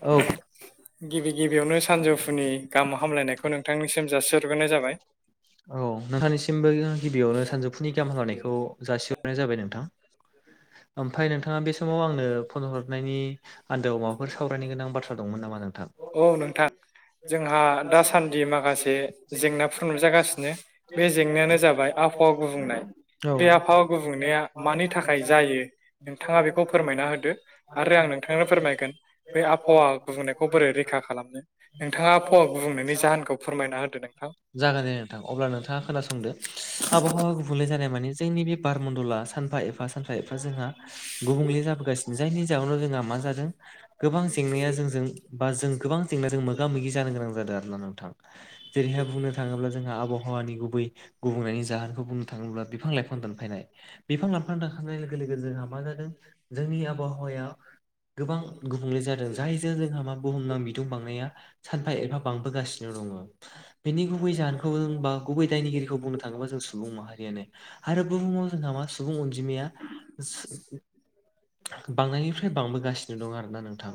औ गिबि गिबियावनो सानजौफुनि गाहाम हामलायनायखौ नोंथांनिसिम जासिहरग्रोनाय जाबाय। औ नोंथांनिसिमबो गिबियावनो सानजौफुनि गाहाम हामलायनायखौ जासिहरनाय जाबाय नोंथां ओमफ्राय नोंथाङा बे समाव आंनो फन हरनायनि आन्दोआव माबाफोर सावरायनो गोनां बाथ्रा दंमोन नामा नोंथां? औ नोंथां जोंहा दासान्दि माखासे जेंनाफोर नुजागासिनो बे जेंनायानो जाबाय आब- हावा गुबुंनाय बे आबहावा गुबुंनाया मानि थाखाय जायो नोंथाङा बेखौ फोरमायना होदो आरो आं नोंथांनो फोरमायगोन बे आबहावा गुबुंनायखौ खौ बोरै रैखा खालामनो नोंथाङा आबहावा गुबुंनायनि जाहोनखौ फोरमायना होदो नोंथां जागोन दे नोंथां अब्ला नोंथाङा खोनासंदो आबहावा गुबुंले जानाय मानि जोंनि बे बारमणडला सानफा एफा सानफा एफा जोंहा गुबुंले जाबोगासिनो जायनि जाहोनाव जोंहा मा जादों गोबां जेंनाया जोंजों बा जों गोबां जेंनाजों मोगा मोगि जानो गोनां जादों आरोना नोंथां जेरैहाय बुंनो थाङोब्ला जोंहा आबहावानि गुबै गुबुंनायनि जाहोनखौ बुंनो थाङोब्ला बिफां लाइफां दानफायनाय बिफां लाइफां दानफायनाय लोगो लोगो जोंहा मा जादों जोंनि आबहावाया गोबां गुबुंले जादों जायजों जोंहा मा बुहुमनां बिदुं बांनाया सानफा एफा बांबोगासिनो दङ'। बेनि गुबै जाहोनखौ जों बा गुबै दायनिगिरिखौ बुंनो थाङोबा जों सुबुं माहारियानो आरो बुहुमाव जोंहा मा सुबुं अनजिमाया बांनायनिफ्राय बांबोगासिनो दं आरो नोंथां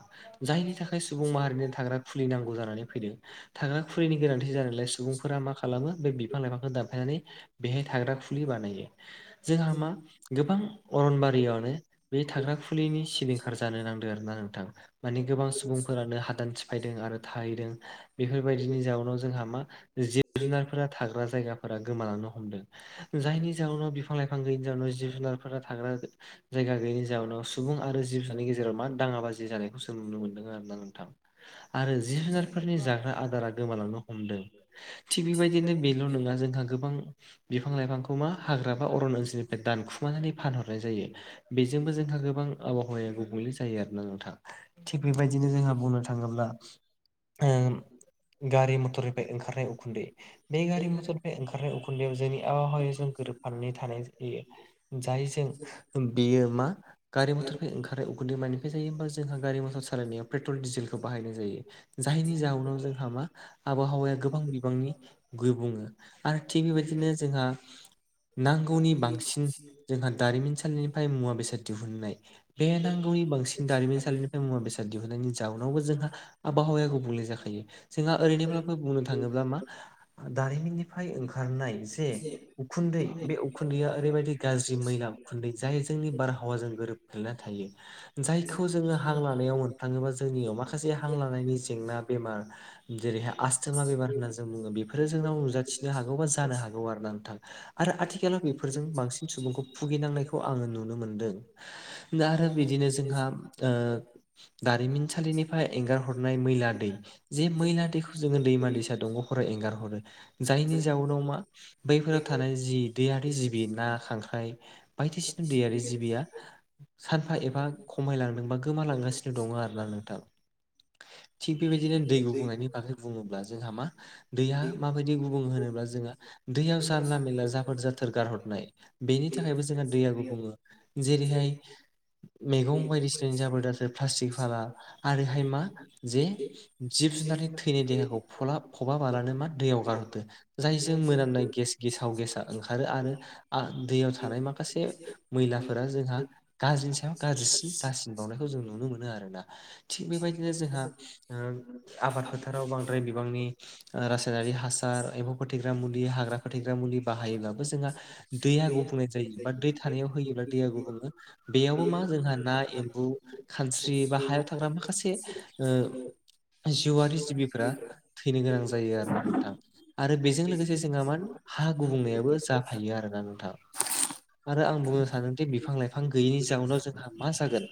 जायनि थाखाय सुबुं माहारिनो थाग्रा खुलि नांगौ जानानै फैदों थाग्रा खुलिनि गोनांथि जानायलाय सुबुंफोरा मा खालामो बे बिफां लाइफांखौ दानफायनानै बेहाय थाग्रा खुलि बानायो जोंहा मा गोबां अरनबारियानो बे थाग्रा खुलिनि सिलिंखार जानो नांदों आरो ना नोंथां मानि गोबां सुबुंफोरानो हादान सिफायदों आरो थाहैदों बेफोरबायदिनि जाउनाव जोंहा मा जिब जुनारफोरा थाग्रा जायगाफोरा गोमालांनो हमदों जायनि जाउनाव बिफां लाइफां गैयैनि जाउनाव जिब जुनारफोरा थाग्रा जायगा गैयैनि जाउनाव सुबुं आरो जिब सानि गेजेराव मा दाङाबाजि जानायखौसों नुनो मोनदों आरो ना नोंथां आरो जिब जुनारफोरनि जाग्रा आदारा गोमालांनो हमदों थिग बेबायदिनो बेल' नङा जोंहा गोबां बिफां लाइफांखौ मा हाग्रा बा अरन ओनसोलनिफ्राय दानखुमानानै फानहरनाय जायो बेजोंबो जोंहा गोबां आबहावाया गुबुंले जायो आरोना नोंथां। थिग बेबायदिनो जोंहा बुंनो थाङोब्ला ओ गारि मथरनिफ्राय ओंखारनाय उखुन्दै बे गारि मटरनिफ्राय ओंखारनाय उखुन्दैयाव जोंनि आबहावाजों गोरोबफानानै थानाय जायो। जायजों बेयो मा गारि मथरनि ओंखारो उगुन्दै मानिफ्राय जायोबा जोंहा गारि मथर सालायनायाव पेट्रल डिजेलखौ बाहायनाय जायो जायनि जाहनाव जोंहा मा आबहावाया गोबां बिबांनि बुङो आरो थिग बेबायदिनो जोंहा नांगौनि बांसिन जोंहा दारिमिनसानि मुा बेसाद दिहुननाय बे नांगौनि बांसिनारिमिननि मुवा बेसाद दिहुननायनि जाउनावबो जोंहा आबहावाया गुबुंले जाखायो जोंहा ओरैनोब्लाबो बुंनो थाङोब्ला मा दारिमिननिफ्राय ओंखारनाय जे उखुन्दै बे उखुन्दैया ओरैबायदि गाज्रि मैना उखुन्दै जाय जोंनि बारहावाजों गोरोब खोना थायो जायखौ जोङो हां लानायाव मोनफाङोबा जोंनियाव माखासे हां लानायनि जेंना बेमार जेरैहाय आस माथो मा बेबार होनना जों बुङो बेफोरो जोंनाव नुजाथिनो हागौ बा जानो हागौ आरो नोंथां। आरो आथिखालाव बेफोरजों बांसिन सुबुंखौ भुगिनांनायखौ आङो नुनो मोनदों। आरो बिदिनो जोंहा दारिमिनसालिनिफ्राय एंगार हर। हनाय मैला दै जे मैला दैखौ जोङो दैमा दैसा दंग' हराव एंगार हरो। जायनि जाउनाव मा बैफोराव थानाय जि दैयारि जिबि ना खांख्राइ बायदिसिना दैयारि जिबिया सानफा एबा खमायलां नोंबा गोमालांगासिनो दङ आरो ना नोंथां। थिग बेबायदिनो दै गुबुंनायनि बागै बुङोब्ला जोंहा मा दैया माबायदि गुबुं होनोब्ला जोंहा दैयाव जानला मेला जाफद जाथोर गारहरनाय बेनि थाखायबो जोंहा दैयाबो बुङो जेरैहाय मैगं बायदिसिना जाबो द प्लास्टिक फाला आरोहाय मा जे जिब जुनारनि थैनि देहाखौ फलाब खबााबालानो मा दैयाव गारहरदो जायजों मोनामनाय गेस गेसाव गेसा ओंखारो आरो दैयाव थानाय माखासे मैलाफोरा जोंहा गाज्रिनि सायाव गाज्रिसिन जाारसिन बावनायखौ जों नुनो मोनो आरोना थिग बेबायदिनो जोंहा आबाद फोथाराव बांद्राय बिबांनि रासायनारि हासार एम्फौ फोथैग्रा मुलि हाग्रा फोथैग्रा मुलि बाहायोब्लाबो जोंहा दैया गुब बुंनाय जायो बा दै थानायाव होयोब्ला दैया गुब बुङो बेयावबो मा जोंहा ना एम्बु खानस्रि बा हायाव थाग्रा माखासे जिउआरि जिबिफोरा थैनो गोनां जायो आरो नोंथां। आरो बेजों लोगोसे जोंहा मा हा गुबुंनायाबो जाफायो आरोना नोंथाङा। आरो आं बुंनो सानदि बिफां लाइफां गैयैनि जाउनाव जोंहा मा जागोन।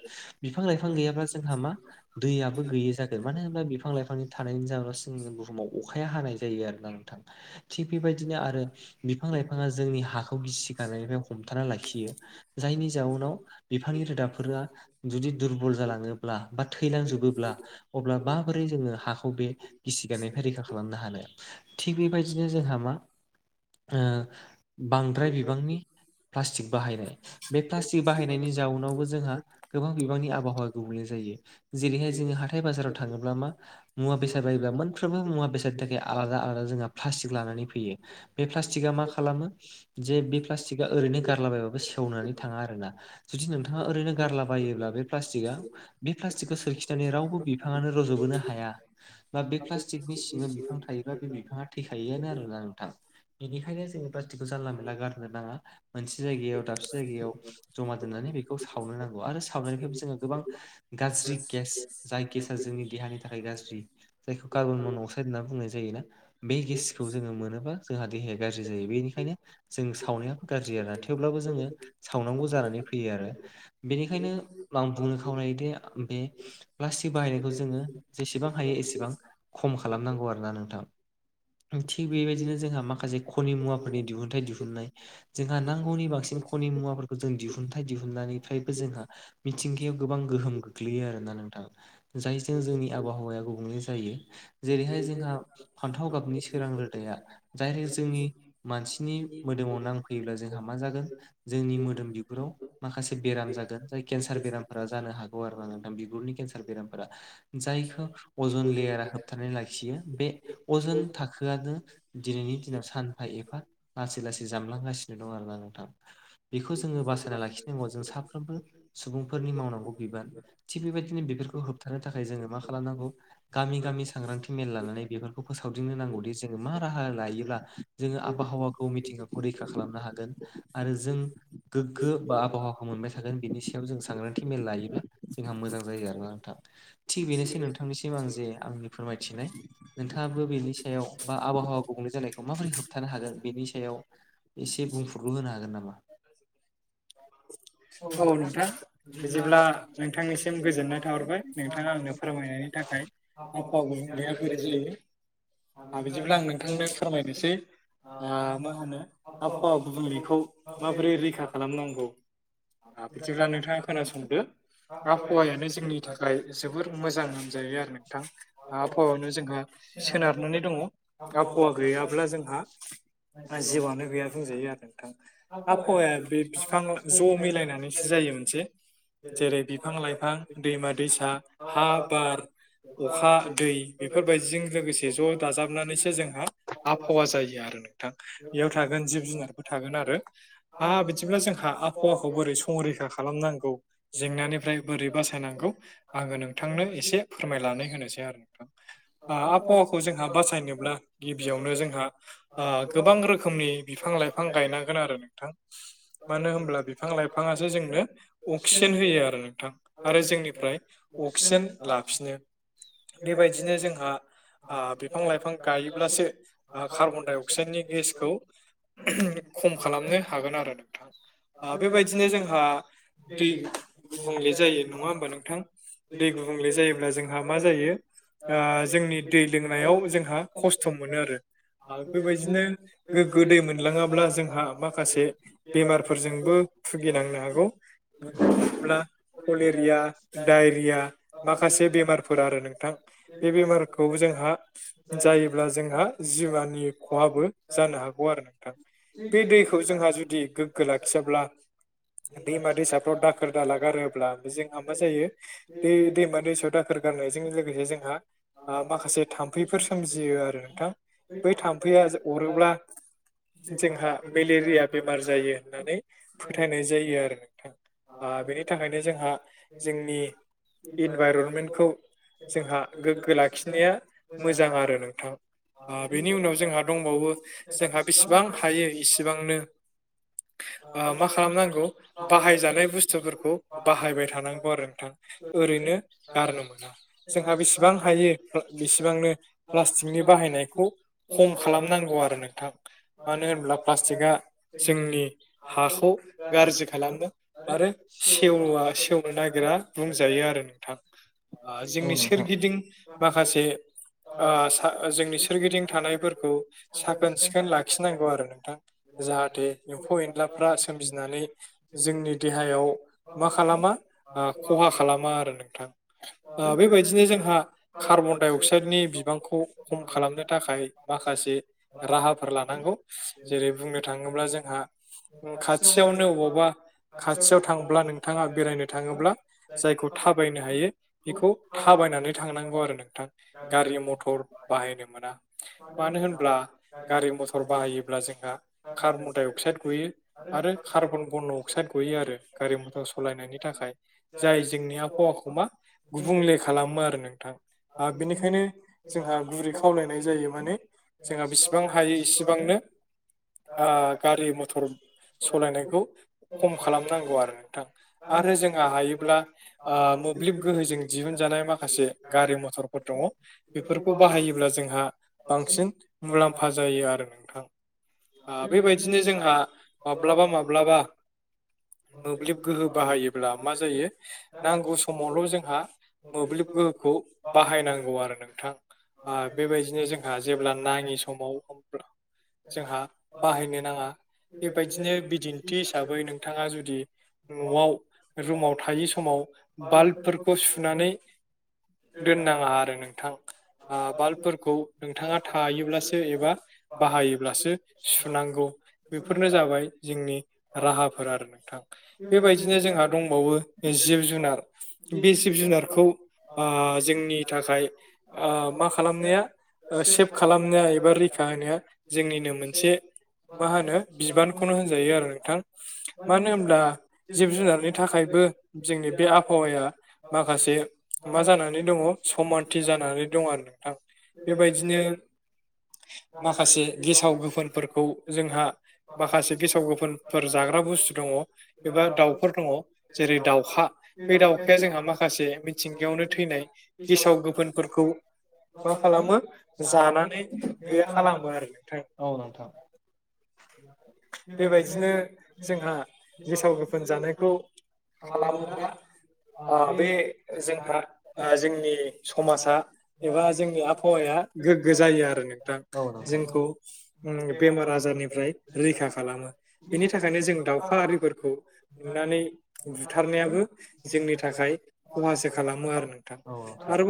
बिफां लाइफां गैयाब्ला जोंहा मा दैयाबो गैयि जागोन मानो होनबब्ला बिफां लाइफांनि थानायनि जाहोनाव जोंनि बुहुमाव अखाया हानाय जायो आरोना नोंथां। थिग बेबायदिनो आरो बिफां लाइफाङा जोंनि हाखौ गिसि गारनायनिफ्राय हमथाना लाखियो। जायनि जाउनाव बिफांनि रोदाफोरा जुदि दुरबल जालाङोब्ला बा थैलांजोबोब्ला अब्ला माबोरै जोङो हाखौ बे गिसि गारनायनिफ्राय रैखा खालामनो हानो। थिग बेबायदिनो जोंहा मा बांद्राय बिबांनि प्लास्टिक बाहायनाय बे प्लास्टिक बाहायनायनि जाउनावबो जोंहा गोबां बिबांनि आबहावा गुबुंले जायो जेरैहाय जोङो हाथाय बाजाराव थाङोब्ला मा मुवा बेसाद बायोब्ला मोनफ्रोमबो मुवा बेसादनि थाखाय आलादा आलादा जोंहा प्लास्टिक लानानै फैयो। बे प्लास्टिकआ मा खालामो। जे बे प्लास्टिकआ ओरैनो गारलाबायबाबो सेवनानै थाङा आरोना जुदि नोंथाङा ओरैनो गारला बायोब्ला बेक बे प्लास्टिकखौ सोरखिनानै रावबो बिफाङानो रज'बोनो हाया। बा बे प्लास्टिकनि सिङाव बिफां थायोबा बे बिफाङा थैखायोआनो आरोना नोंथां। बेनिखायनो जोङो प्लास्टिकखौ जानला मेला गारनो नाङा मोनसे जायगायाव दाबसे जायगायाव जमा दोन्नानै बेखौ सावनो नांगोन। आरो सावनायनिफ्रायबो जोङो गोबां गाज्रि गेस जाय गेसआ जोंनि देहानि थाखाय गाज्रि जायखौ कार्बन मन' अक्साइड होनना बुंनाय जायो ना। बे गेसखौ जोङो मोनोबा जोंहा देहाया गाज्रि जायो बेनिखायनो जों सावनाया गाज्रि आरो ना थेवब्लाबो जोङो सावनांगौ जानानै फैयो आरो। बेनिखायनो आं बुंनो खावलायोदि बे प्लास्टिक बाहायनायखौ जोङो जेसेबां हायो एसेबां खम खालामनांगौ आरोना नोंथां। थिग बेबायदिनो जोंहा माखासे खनि मुवाफोरनि दिहुनथाइ दिहुननाय जोंहा नांगौनि बांसिन खनि मुवाफोरखौ जों दिहुनथायाइ दिहुननानै निफ्रायबो जोंहा मिथिंगायाव गोबां गोहोम गोग्लैयो आरोना नोंथां जायजों जोंनि आबहावाया गुबुंले जायो जेरैहाय जोंहा फान्थाव गाबनि सोरां रोदाया दायरे जोंनि मानसिनि मोदोमाव नांफै फैयोब्ला जोंहा मा जागोन जोंनि मोदोम बिगुराव माखासे बेराम जागोन जाय केन्सार बेरामफोरा जानो हागौ आरो ना नोंथां बिगुरनि केन्सार बेरामफोरा। जायखौ अजन लेयारा होबथानानै लाखियो बे अजन थाखोआनो दिनैनि दिनाव सानफा एफा लासै लासै जामलांगासिनो दं आरोना नोंथां बेखौ जोङो बासायना लाखिनांगौ। जों साफ्रोमबो सुबुंफोरनि मावनांगौ बिबान। थिग बेबायदिनो बेफोरखौ होबथानो थाखाय जोङो मा खालामनांगौ गामि गामि सांग्रांथि मेल लानानै बेफोरखौ फोसावदिंनो नांगौदि जोङो मा राहा लायोब्ला जोङो आबहावाखौ मिथिंगाखौ रैखा खालामनो हागोन आरो जों गोग्गो बा आबहावाखौ मोनबाय थागोन बिनि सायाव जों सांग्रांथि मेल लायोब्ला जोंहा मोजां जायो आरोना नोंथां। थिग बेनोसै नोंथांनिसिम आं जे आंनि फोरमायथिनाय। नोंथाङाबो बेनि सायाव बा आबहावा गुबुंले जानायखौ माबोरै होबथानो हागोन बेनि सायाव एसे बुंफुरलु होनो हागोन नामा? औ नोंथां बिदिब्ला नोंथांनिसिम गोजोननाय थाहरबाय नोंथाङा आंनो फोरमायनायनि थाखाय। आबहावा गुंबुंलेया बोरै बोरै ओ बिदिब्ला आं नोंथांनो फोरमायनोसै। मा होनो आहाव गुबुंलेखौ माबोरै रैखा खालामनांगौ? बिदिब्ला नोंथाङा खोनासंदो। आबहावायानो जोंनि थाखाय जोबोर मोजां होनजायो आरो नोंथां। आबहावायानो जोंहा सोनारनानै दङ आबहावा गैयाब्ला जोंहा जिउआनो गैया बुंजायो आरो नोंथां। आबहावाया बे बिफां ज' मिलायनानैसो जायो मोनसे जेरै बिफां लाइफां दैमा दैसा हा बार अखा दै बेफोरबायदिजों लोगोसे ज' दाजाबनानैसो जोंहा आबहावा जायो आरो। नोंथां बेयाव थागोन जिब जुनारबो थागोन आरो आह बिदिब्ला जोंहा आबहावाखौ बोरै संरैखा खालामनांगौ जेंनानिफ्राय बोरै बासायनांगौ आङो नोंथांनो एसे फोरमायलनानै होनोसै आरो। आबहावाखौ जोंहा बासायनोब्ला गिबियावनो जोंहा गोबां रोखोमनि बिफां लाइफां गायनांगोन आरो नोंथां मानो होनब्ला बिफां लाइफाङासो जोंनो अक्सिजेन होयो आरो नोंथां आरो जोंनिफ्राय अक्सिजेन लाफिनो बेबायदिनो जोंहा बिफां लाइफां गायोब्लासो कार्बन डाइ अक्साइडनि गेसखौ खम खालामनो हागोन आरो नोंथां। बेबायदिनो जोंहा दै गुबुंले जायो नङा होमबा नोंथां? दै गुबुंले जायोब्ला जोंहा मा जायो? ओ जोंनि दै लोंनायाव जोंहा खस्थ' मोनो आरो। आरो बेबायदिनो गोग्गो दै मोनलाङाब्ला जोंहा माखासे बेमारफोरजों बो भुगिनांनो हागौ। थाङोब्ला कलेरिया डायरिया माखासे बे मारफोर आरो नोंथां। बे बेमारखौ जोंहा जायोब्ला जोंहा जिमानि खहाबो जानो हागौ आरो नोंथां बे दैखौ जोंहा जुदि गोग्गो लाखियाब्ला दैमा दैसाफ्राव दाखोर दाला गारोब्ला जोंहा मा जायो दै दैमा दैसायाव दाखोर गारनायजों लोगोसे जोंहा माखासे थाम्फैफोर सोमजियो आरो नोंथां बै थाम्फैया अरोब्ला जोंहा मेलेरिया बेमार जायो होननानै फोथायनाय जायो आरो नोंथां बेनि थाखायनो जोंहा जोंनि इनभाइरनमेन्टखौ जोंहा गोग्गो लाखिनाया मोजां आरो नोंथां बेनि उनाव जोंहा दंबावो जोंहा बेसिबां हायो इसिबांनो मा खालामनांगौ बाहायजानाय बुस्थुफोरखौ बाहायबाय थानांगौ आरो नोंथां ओरैनो गारनो मोना जोंहा बेसेबां हायो बेसेबांनो प्लास्टिकनि बाहायनायखौ खम खालामनांगौ आरो नोंथां मानो होनब्ला प्लास्टिकआ जोंनि हाखौ गाज्रि खालामो आरो सेवा सेवनो नागिरा बुंजायो आरो नोंथां औ जोंनि नोंथां सोरगिदिं माखासे जोंनि सोरगिदिं थानायफोरखौ साखोन सिखोन लाखिनांगौ आरो नोंथां जाहाथे एम्फौ एनलाफ्रा सोमजिनानै जोंनि देहायाव मा खालामा खहा खालामा आरो नोंथां बेबायदिनो जोंहा कार्बनडाइ अक्साइडनि बिबांखौ खम खालामनो थाखाय माखासे राहाफोर लानांगौ जेरै बुंनो थाङोब्ला जोंहा खाथियावनो बबावबा खाथियाव थांब्ला नोंथाङा बेरायनो थाङोब्ला जायखौ थाबायनो हायो बेखौ थाबायनानै थांनांगौ आरो नोंथां गारि मथर बाहायनो मोना मानो होनब्ला गारि मथर बाहायोब्ला जोंहा कार्बन डाइ अक्साइद गयो आरो कार्बन बन' अक्साइद गयो आरो गारि मथर सालायनायनि थाखाय जाय जोंनि आबहावाखौ मा गुबुंले खालामो आरो नोंथां बेनिखायनो जोंहा गुरै खावलायनाय जायो माने जोंहा बेसिबां हायो इसिबांनो गारि मथर सालायनायखौ खम खालामनांगौ आरो नोंथां आरो जोंहा हायोब्ला मोब्लिब गोहोजों दिहुनजानाय माखासे गारि मथरफोर दङ बेफोरखौ बाहायोब्ला जोंहा बांसिन मुलाम्फा जायो आरो नोंथां बेबायदिनो जोंहा माब्लाबा माब्लाबा मोब्लिब गोहो बाहायोब्ला मा जायो नांगौ समावल' जोंहा मोब्लिब गोहोखौ बाहायनांगौ आरो नोंथां बेबायदिनो जोंहा जेब्ला नाङि समाव जोंहा बाहायनो नाङा बेबायदिनो बिदिन्थि हिसाबै नोंथाङा जुदि न'आव रुमाव थायै समाव बाल्बफोरखौ सुनानै दोननाङा आरो नोंथां बाल्बफोरखौ नोंथाङा थायोब्लासो एबा बाहायोब्लासो सुनांगौ बेफोरनो जाबाय जोंनि राहाफोर आरो नोंथां बेबायदिनो जोंहा दंबावो जिब जुनार बे जिब जुनारखौ जोंनि थाखाय मा खालामनाया सेभ खालामनाया एबा रैखा होनाया जोंनिनो मोनसे मा होनो बिबानखौनो होनजायो आरो नोंथां मानो होनब्ला जिब जुनारनि थाखायबो जोंनि बे आबहावाया माखासे मा जानानै दङ समानथि जानानै दं आरो नोंथां बे बेबायदिनो बायदिनो माखासे गेसाव गोफोनफोरखौ जोंहा माखासे गेसाव गोफोनफोर जाग्रा बुस्थु दंङो एबा दाउफोर दंङो जेरै दाउखा बे दाउखाया जोंहा माखासे मिथिंगायावनो थैनाय गेसाव गोफोनफोरखौ मा खालामो जानानै गैया खालामो आरो नोंथां औ नोंथां बेबायदिनो जोंहा गेसाव गोफोन जानायखौ खालामोब्ला बे जोंहा जोंनि समाजा एबा जोंनि आबाहावाया गोग्गो जायो आरो नोंथां औ जोंखौ नोंथां बेमार आजारनिफ्राय रैखा खालामो बिनि थाखायनो जों दाउखा आरिफोरखौ नुनानै बुथारनायाबो जोंनि थाखाय खहासो खालामो आरो नोंथां